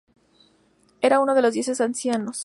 Era uno de los dioses ancianos.